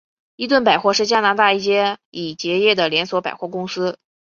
伊顿百货是加拿大一家已结业的连锁百货公司。